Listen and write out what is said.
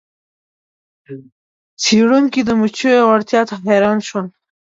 څیړونکي د مچیو وړتیا ته حیران شول.